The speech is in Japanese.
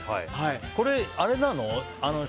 これ、あれなの？